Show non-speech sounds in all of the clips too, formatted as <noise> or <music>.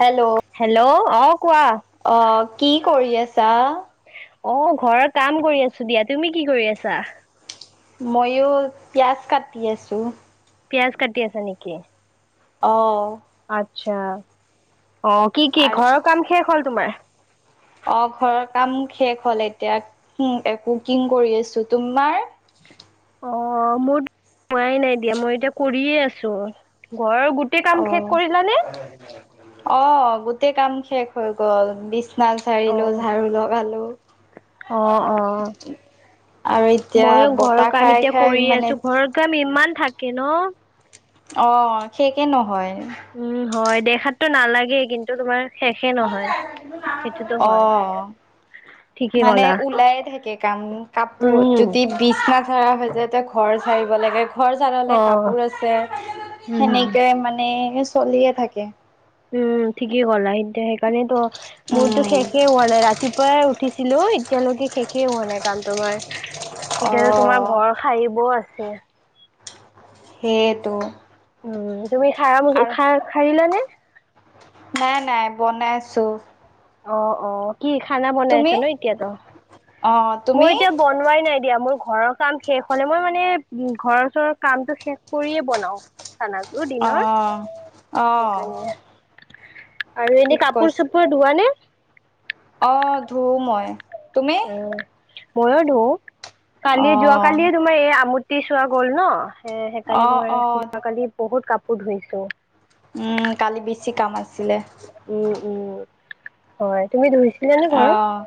Hello hello অ। কোৱা অ কি কৰি আছা? অ ঘৰ কাম কৰি আছো দিয়া তুমি কি কৰি আছা ময়ো পিয়াঁজ কাটি আছো পিয়াঁজ কাটি আছা নেকি অহ আচ্ছা অ কি কি আৰু ঘৰৰ কাম শেষ হল তোমাৰ অ ঘৰৰ কাম শেষ হল এতিয়া একো কুকিং কৰি আছো তোমাৰ অ মোৰ হোৱাই নাই দিয়া মই এতিয়া কৰিয়ে আছো ঘৰৰ গোটেই অ কাম শেষ কৰিল নে অ গোটেই কাম শেষ হৈ গল বি ধান অ জাৰিলো ঝাৰু লগালো অ অ আৰু এতিয়া ময়ো ঘৰৰ বতাহ কাম খাই এতিয়া খাই কৰি আছো মানে ঘৰৰ কাম ইমান থাকে ন অ শেষৰ নহয় উম হয় দে দেখাতটো নালাগেই কিন্তু তোমাৰ শেষে নহয় সেইটোতো হয় অ ঠিকেই মানে ক'লা উলাই থাকে কাম কাপোৰ উম যদি বিচনা ধৰা হৈ যে যায়‌ এতিয়া ঘৰ চাৰিব লাগে ঘৰ জাৰলে অ কাপোৰ আছে উম সেনেকে মানে চলিয়ে থাকে উম ঠিকেই ক'লা এতিয়া সেইকাৰণেই তো মোৰতো উম শেষে হোৱা নাই ৰাতিপুৱাই উঠিছ উঠিছিলো এতিয়ালৈকে শেষেই হোৱা নাই কাম তোমাৰ অ এতিয়ালো তোমাৰ ঘৰ সাৰিব আছে ছে সেইটো উম তুমি সাৰা মু আৰু সাৰিলা নে নাই নাই বনাইছো অ অ কি খানা বনাই তুমি আছা ন এতিয়াতো অ মই তুমি এতিয়া বনোৱাই নাই দিয়া মোৰ ঘৰৰ কাম শেষ হলে মই মানে উম ঘৰৰ ওচৰৰ কামটো শেষ কৰিয়ে বনাওঁ খানাটো অ দিনৰ অ সেইকাৰণে আৰু এনে কাপোৰ চাপোৰ ধোৱা নে আহ ধু মই তুমি উম ময়ো ধো অ কালি যোৱা কালিয় তোমাৰ এই আমূতি চোৱা গ'ল ন এ অ সেইকাৰণে তোমাৰ অ যোৱা কালি বহুত কাপোৰ ধুইছো উম কালি বেছি কাম আছে উম উম হয় তুমি ধুই অহ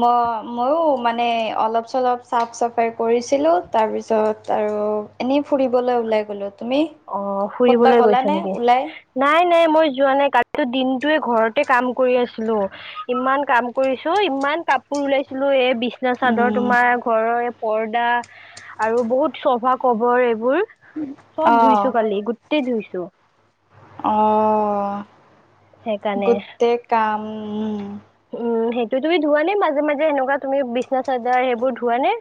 মই মই মানে অলপ চলপ চাফ চাফাই কৰিছিলোঁ তাৰপিছত আৰু এনেই ফুৰিবলৈ ওলাই গ'লোঁ অ ফুৰিবলৈ গৈছে নেকি ওলাই নাই নাই মই যোৱা নাই কালিতো দিন তো ঘৰতে কাম কৰি আছিলো ইমান কাম কৰিছো ইমান কাপোৰ ওলাইছিলো এ বিচনা চাদৰ উম তোমাৰ ঘৰৰ এই পৰ্দা আৰু বহুত চভা কভাৰ এইবোৰ চব অ', ধুইছো কালি গোটেই ধুইছো। অ সেইকাৰণে গোটেই কাম উম উম সেইটো তুমি ধোৱা নে মাজে মাজে এনেকুৱা তুমি বিচনা চাদৰ সেইবোৰ ধুৱা নে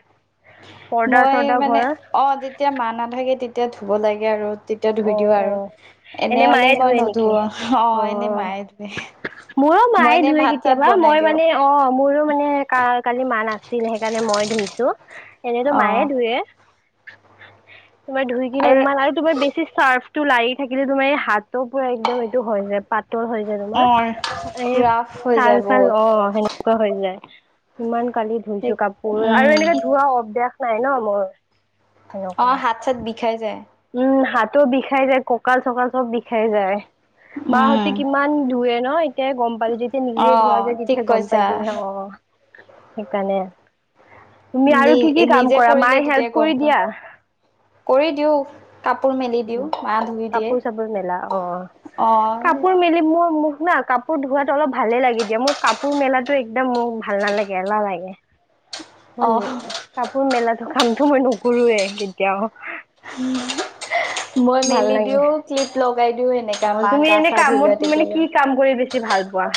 পৰ্দা মই চৰ্দা মানে ঘৰৰ অ যেতিয়া মা নাথাকে তেতিয়া ধুব লাগে আৰু। তেতিয়া ধুই দিওঁ অ', আৰু অ', এনে মায়ে হলেই মই ধুৱে নুধো নেকি? অ এনে মায়ে ধুৱে। মইয়ো মই মায়ে এনে ধুৱে ভাত চাত কেতিয়াবা বনাই মই দিওঁ মানে অহ মোৰো মানে কালি মা নাছিল সেইকাৰণে মই ধুইছো এনেতো মায়ে অ', ধুৱে। তোমাৰ ধুই কিনে ইমান আৰু তোমাৰ বেছি চাৰ্ফ টো লাৰি থাকিলে তোমাৰ এই হাতো পোৰা একদম এইটো হয় যায় পাত পাতল হৈ যায় তোমাৰ অ', এ ৰাফ হৈ ছাল যায় ছাল বহুত অ সেনেকুৱা হৈ যায়। সিমান কালি ধুইছো ঠিক কাপোৰ আৰু উম এনেকে ধোৱা অভ্যাস নাই ন মোৰ। অ সেনেকুৱা হাত চাত বিষাই যায়। উম হাতো বিষাই যায় ককাল চকাল চব বিষাই যায় উম মাহঁতে কিমান ধুৱে। ন এতিয়াই গম পালো যেতিয়া নিজে অ ধোৱা যায় ঠিক তেতিয়া গম পাই কৈছা যে অ- সেইকাৰণে - তুমি আৰু নি কি কি কাম নিজে কৰা কৰিলে মায়ে তেতিয়া হেল্প গম কৰি পাওঁ দিয়া- কৰি দিওঁ কাপোৰ মেলি উ দিওঁ মা ধুই দিয়ে কাপোৰ চাপোৰ মেলা অ অ কাপোৰ মেলি মোৰ না কাপোৰ ধোৱাতো অলপ ভালে লাগে দিয়া মোৰ কাপোৰ মেলাটো একদম মোৰ ভাল নালাগে এলাহ লাগে- অ হয় কাপোৰ মেলা কামটো মই নকৰোৱে কেতিয়াও- মই ভাল মেলি লাগে দিও ক্লিপ লগাই দিওঁ- অ তুমি এনে কামত মানে কি কাম কৰি বেছি ভাল পোৱা?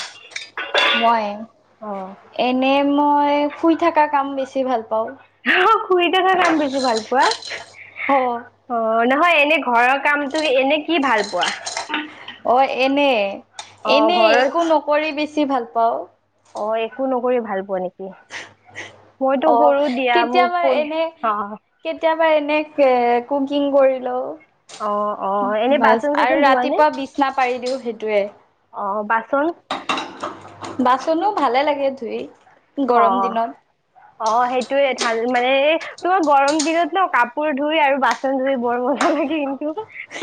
মই অ এনে মই শুই থকা কাম বেছি ভাল পা- অ শুই থকা কাম বেছি ভাল পোৱা। অ- নহয় এনে ঘৰৰ কামটো এনে কি ভাল পোৱা? অ এনে অ এনে ঘৰৰ একো নকৰি বেছি ভাল পাওঁ। অ একো নকৰি ভাল পোৱা নেকি মইতো অ কৰো দিয়া মোক কেতিয়াবা কৈ এনে অ কেতিয়াবা এনে এ কুকিং কৰি ল অ অ এনে বাছ বাচন আৰু চাচন ধোৱা নে ৰাতিপুৱা বিছনা পাৰি দিও সেইটো - অ বাচন- বাচনো ভালে লাগে ধুই। অ গৰম দিনত অ সেইটোয়ে। ভাল মানে তোমাৰ গৰম দিনত ন কাপোৰ ধুই আৰু বাচন ধুই বৰ মজা লাগে কিন্তু।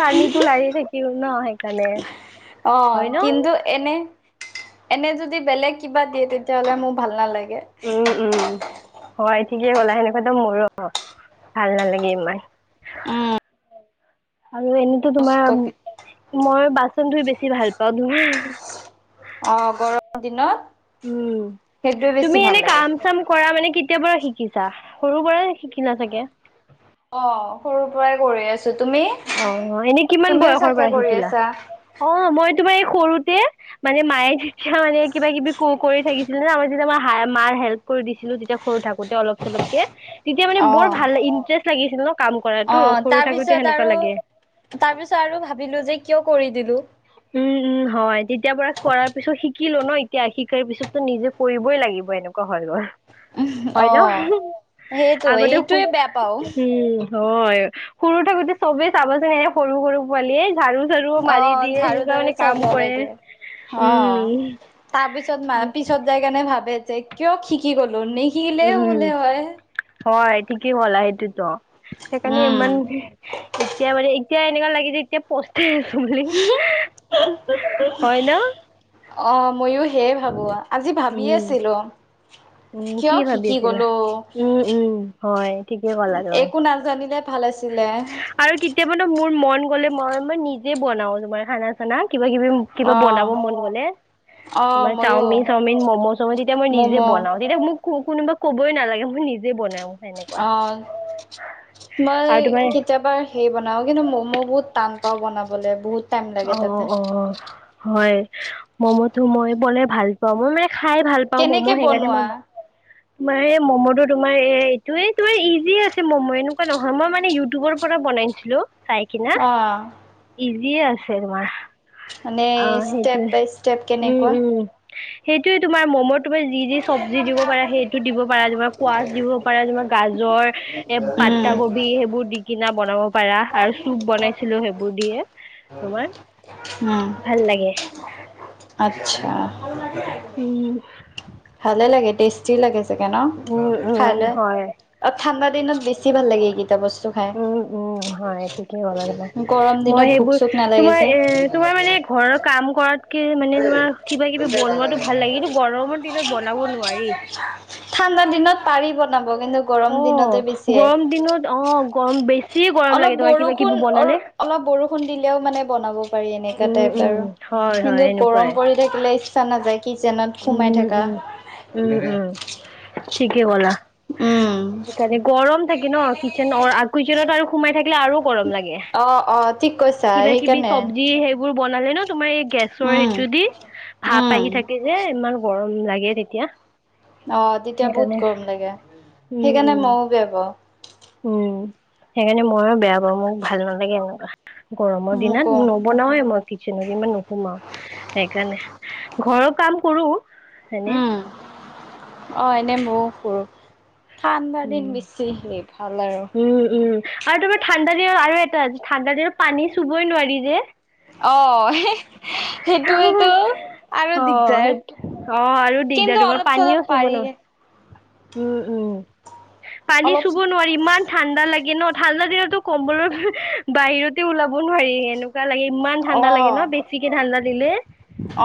পানীতো লাগি থাকিল ন সেইকাৰণে। অ হয় ন কিন্তু এনে এনে যদি বেলেগ কিবা দিয়ে তেতিয়াহলে মোৰ ভাল নালাগে। উম উম হয় ঠিকেই কলা সেনেকুৱাটো মোৰো ভাল নালাগে ইমান। উম আৰু এনেইতো তোমাৰ কষ্টকে মই বাচন ধুই বেছি ভাল পাওঁ কিন্তু - অ গৰম দিনত। উম সেইটোৱে বেছি তুমি ভাল এনে লাগে কাম চাম কৰা মানে কেতিয়া পৰা শিকিছা সৰু পৰাই শিকিলা চাগে! অ সৰুৰ পৰাই কৰি আছো। তুমি অ এনেই কিমান তুমিও বয়সৰ চাগে পৰা কৰি শিকিলা আছা অ মই তোমাৰ সৰুতে মানে মায়ে যেতিয়া মানে কিবা কিবি কো কৰি থাকিছে- ন আমি যেতিয়া আমাৰ মাৰ হেল্প কৰি দিছিলো তেতিয়া সৰু থাকোতে অলপ চলপকে তেতিয়া মানে অ বৰ ভাল ইণ্টাৰেষ্ট লাগিছিল ন কাম অ কৰাতো সৰু থাকোতে তাৰপিছত সেনেকে - আৰু তাৰ পিছত আৰু ভাবিলো যে কিয় কৰি দিলোঁ। উম'-উম', হয়। তেতিয়াৰ পৰা কৰাৰ পিছত শ শিকিলো এতিয়া শিকাৰ পিছতো নিজে কৰিবই লাগিব এনেকুৱা হয় গল। হয় অ ন? সেইটো আগতেও এইটোৱে বেয়া পাও উম হয় সৰু থাকোতে চবেই চাবা চোন সৰু-সৰু পোৱালীয়ে ঝাৰু চৰু অ মাৰি দিয়ে ঝাৰু এনেকুৱা ঝাৰু মানে চব কাম লগাই কৰে দিয়ে অ', উম তাৰ পিছত ম পিছত যাই কাৰণে ভাব কিয় শিকি গলো ন উম', হয়। ঠিকেই ক'লা সেইটো সেইকাৰণে উম ইমান এতিয়া মানে এতিয়া এনেকুৱা লাগে যে এতিয়া <unintelligible> হয় ন? অ', ময়ো সেয়ে ভাবো আজি ভাবি আছিলোঁ। হয়। উম', কি ভাবি আছিলা? উম'-উম', হয়, ঠিকেই ক'লা তুমি। একো নাজানিলে ভাল আছিলে আৰু কেতিয়াবা ন মোৰ মন গ'লে মই মনে নিজে বনাও তোমাৰ খানা চানা। কিবা-কিবি, কিবা অ বনাব মন গলে। অ তোমাৰ ময়ো চাওমিন-চাওমিন ম'ম'-চ'ম' তেতিয়া মই মম' নিজে বনাওঁ তেতিয়া মোক কোনোবা ক'বই নালাগে মই নিজে বনাও। সেনেকুৱা অ', মই আৰু তোমাৰ কেতিয়াবা হেই বনাও কিন্তু ম'ম' বহুত টান পাওঁ বনাবলৈ বহুত টাইম লাগে তাতে অ'-অ', হয়, ম'ম'তো মই বলে ভাল পোৱা মই মানে খাই ভাল পাওঁ ম'ম' কেনেকে সেইকাৰণে মই বনোৱা তোমাৰ এই ম'ম' তো তোমাৰ এ এইটোয়ে তোমাৰ ইজি আছে ম'ম' এনেকুৱা নহয় মই মানে ইউটিউবৰ পৰা বন ছিলো চাই কিনা, অ ইজিয়ে আছে তোমাৰ। মানে অ', ষ্টেপ সেইটোয়ে বাই ষ্টেপ কেনেকুৱা উম'-উম', সেইটোয়ে তোমাৰ ম'ম'ত তমাৰ যি-যি চব্জি দিব পাৰা সেইটো দিব পাৰা তোমাৰ কোৱাচ দিব পাৰা তোমাৰ গাজৰ এ আটা উম কবি সেইবোৰ দি কিনা বনাব পাৰা আৰু চুপ বনাইছিলো সেইবোৰ দিয়ে তোমাৰ। উম ভাল লাগে। আচ্ছা। উম'। ভালে লাগে টেষ্টি লাগে চাগে ন উম উম খাইলে? হয় অ, ঠাণ্ডাত দিনত বেছি ভাল লাগে এই কিতা বস্তু। খাই উম'-উম', হয় ঠিক কলা তোমাৰ গৰম মই দিনত ভোক এইবোৰ চোক নালাগে তোমাৰ যে এ তোমাৰ মানে ঘৰৰ কাম কৰাতকে মানে তোমাৰ কিবা কিবি বনোৱাটো ভাল লাগে কিন্তু গৰমৰ দিনত বনাব নোৱাৰি <unintelligible> ঠাণ্ডা দিনত পাৰি বনাব কিন্তু গৰম অ' দিনতে বেছিয়ে। গৰম দিনত অ' গৰম বেছি গৰম লাগে অলপ তোমাৰ কিবা বৰষুণ কিবি বনালে। অ-অলপ বৰষুণ দিলেও মানে বনাব পাৰি এনেককাা উম, টাইপ উম, আৰু হয়, হয়, কিন্তু গৰম এনেকুৱাই। পৰি থাকিলে ইচ্ছা নাযায়। কিচেনত সোমাই উম, থকা। উম, উম, উম, ঠিকে ক'লা। উম সেইকাৰণে গৰম থাকে ন কিচেন? কিচেনত আৰু সোমাই থাকে আৰু গৰম লাগে অ', অ', ঠিক কৈছা কিবা-কিবি সেইকাৰণে চবজি সেইবোৰ তোমাৰ এই গেছৰ উম, এইটো দি ভাপ উম। আহি থাকে। এ ইমান গৰম লাগে তেতিয়া। অ', তেতিয়া বহুত সেইকাৰণে গৰম লাগে উম, সেইকাৰণে উম। ময়ও বেয়া পাওঁ। উম সেইকাৰণে ময়ো বেয়া পাওঁ মোক ভাল নালাগে এনেকুৱা। গৰমৰ মোকো দিনত নবনাওে মই কিচেনত ইমান নোসোমাও সেইকাৰণে ঘৰৰ কাম কৰু এনে। উম। অ', এনে ময়ো কৰু ঠাণ্ডা দিন উম বেছি হেৰি ভাল আৰু। উম উম আৰু তোমাৰ ঠাণ্ডা দিনত আৰু এটা আ ঠাণ্ডা দিনত পানী চুবই নোৱাৰি যে। অ', সেইটোৱেতো। আৰু অ', দিগদাৰ সেইটো অ', আৰু কিন্তু দিগদাৰ তোমাৰ অলপ পানীও চলপ পাৰি চুবলৈ উম'-উম', পানী অলপ চুব নোৱাৰি ইমান ঠাণ্ডা লাগে ন? ঠাণ্ডা দিনতো কম্বলৰ বাহিৰতে ওলাব নোৱাৰি এনেকোৱা <unintelligible> লাগে ইমান ঠাণ্ডা লাগে অ', ন বেছিকে ঠাণ্ডা দিলে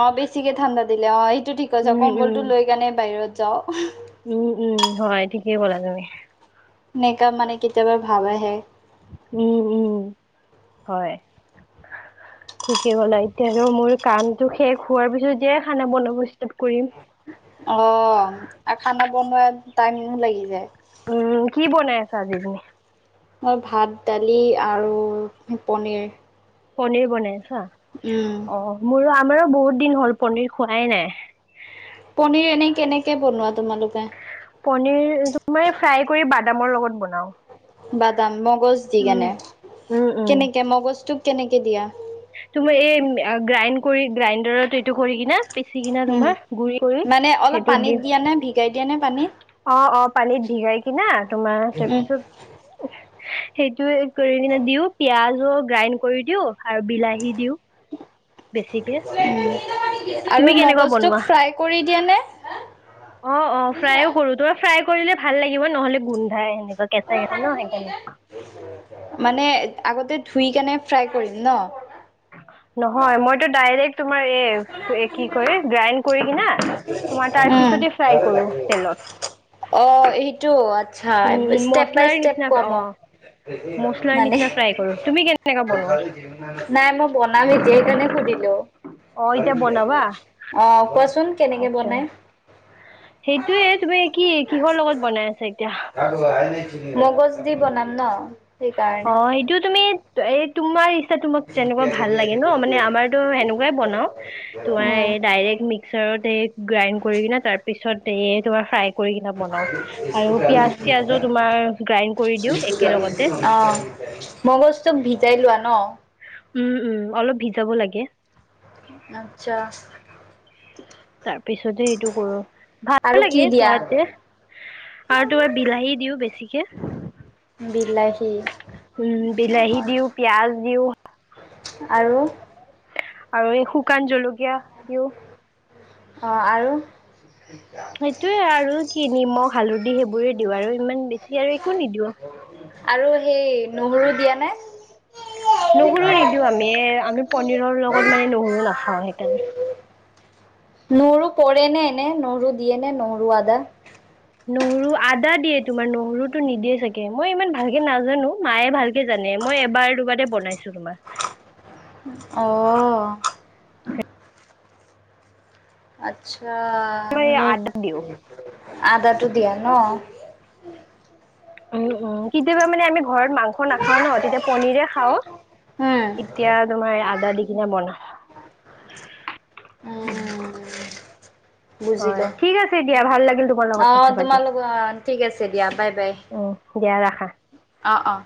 অ বেছিকে ঠাণ্ডা দিলে অ সেইটো ঠিক আছে উম কম্বল উম টো লৈ কেনে বাহিৰত যাও <unintelligible> উম উম হয় ঠিকেই কলা তুমি নেক মানে কিতিয়াবা ভাব আহে উম উম হয় ঠিকেই গ'ল এতিয়া আৰু মোৰ কামটো শেষ হোৱাৰ পিছতয়ে খানা বন বস্তত কৰিম <unintelligible> অ আৰু খানা বনোৱাত টাইম লাগি যায় উম কি বনাই আজি <unintelligible> ম ভাত দালি আৰু পনীৰ পনীৰ বনাইছা উম, অ মোৰো আমাৰো বহুত দিন হ'ল পনিৰ খোৱাই নাই পনিৰ এনে কেনেকে বনোৱা তোমালোকে পনিৰ মই ফ্ৰাই কৰি বাদামৰ লগত বনাও বাদাম মগজ দি উম কেনে। উম উম কেনেকে মগজটোক কেনেকে দিয়া? তোমাৰ এই গ্ৰাইণ্ড কৰি গ্ৰাইণ্ডাৰত এইটো কৰি কিনে পি- <unintelligible> চি কিনা উম, তোমাৰ গুৰি কৰি মানে অলপ সেইটোত পানীত দিম। দিয়া নে ভিগাই দিয়া নে পানীত? অ অ পানীত ভিগাই কিনা তোমাৰ উম, তাৰপিছত <unintelligible> সেইটো কৰি কিনে দিও, পিয়াজো গ্ৰাইণ্ড কৰি দিও আৰু বিলাহী দিও। বেছিকে তুমি আৰু কেনেকুৱা বনোৱা মগজটোক ফ্ৰাই কৰি দিয়ে নে? <unintelligible> অ অ ফ্ৰাইও কৰো, তোমাৰ ফ্ৰাই কৰিলে ভাল লাগিব নহলে গোন্ধাই এনে। কেঁচা কেচা ন সেইকাৰণে। মানে আগতে ধুই কেনে ফ্ৰাই কৰিম ন? নহয় মইতো ডাইৰেক্ট তোমাৰ এ কি কৰি গ্ৰাইণ্ড কৰি কিনে তোমাৰ তাৰ উম। পিছতে ফ্ৰাই কৰো তেলত। আ উম ষ্টেপ বাই মচলাৰ ষ্টেপ নিচিনা কোৱা অ মোক। মচলাৰ মানে নিচিনা ফ্ৰাই কৰো তুমি কেনেকা বনোৱা নাই মই বনাম এতিয়া সেইকাৰণে সুধ- দিলো। অ এতিয়া বনাবা অ কোৱাচোন কেনেকে আচ্ছা বনাই? সেইটোয়ে তুমি কি কিহৰ লগত বনাই আছা এতিয়া? মগজ দি বনাম ন? অ সেইকাৰণে। সেইটো তুমি এ তোমাৰ তোমাক যেনেকুৱা ভাল লাগে ন মানে আমাৰতো এনেকুৱাই বনাও, তোমাৰ উম। এই ডাইৰেক্ট মিক্সাৰত এই <unintelligible> গ্ৰাইণ্ড কৰি কিনে, তাৰ পিছত এই তোমাৰ ফ্ৰাই বনাও। আৰু পিয়াজ চিয়াজোও তোমাৰ গ্ৰাইড কৰি দিও একেলগতে। <unintelligible> অ মগজ তোক ভিজাই লোৱা ন? উম উম অলপ ভিজাব লাগে। আতচ্ছা। তাৰ পিছতে সেইটো কৰো, ভাল আৰু কি লাগে দিয়া? খোৱাতে। আৰু তোমাৰ বিলাহী দিও বেছিকে। বিলাহী উম বিলাহী দিও, পিয়াজ দিওঁ, আৰু আৰু এই শুকান জলকীয়া দিও। অঁ আৰু সেইটোৱে আৰু কি নিমখ হালধি সেইবোৰে দিওঁ আৰু ইমান বেছি আৰু একো নিদিওঁ। আৰু সেই নহৰু দিয়া নে? নহৰু নিদিও আমি আমি পনীৰৰ লগত মানে নহৰু নাখাওঁ সেইকাৰণে। <unintelligible> নৰু পৰে নে এনে নহৰু দিয়ে নে নহৰু আদা? <unintelligible> নহৰু আদা দিয়ে, তোমাৰ নহৰুতো নিদিয়ে চাগে মই ইমান ভালকে নাজানো মায়ে ভালকে জানে। মই এবাৰ দুবাৰে বনাইছো তোমাৰ। অ'। আচ্ছা, মই ন আদা দিওঁ আদাটোটো। দিয়া ন? উম উম কেতিয়াবা মানে আমি। ঘৰত মাংস নাখাও ন, তেতিয়া পনিৰে খাওঁ। উম, তেতিয়া তোমাৰ আদা কিনে মনা। উম হয় বুজিলো। ঠিক আছে দিয়া ভাল লাগিল তোমাৰ লগত অ' কথা পাতি। তোমালোক অ' ঠিক আছে দিয়া দিয়া ৰাখা। অঁ অঁ।